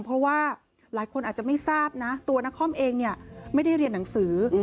เพราะว่าหลายคนอาจจะไม่ทราบนะตัวนครเองเนี่ยไม่ได้เรียนหนังสือ